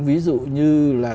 ví dụ như là